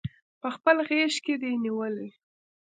پخپل غیږ کې دی نیولي